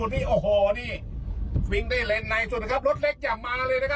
โอ้โหโถนี่ตีนสะพานนครชายศรี